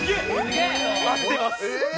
あってます！